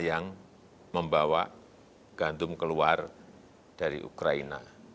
yang membawa gantum keluar dari ukraina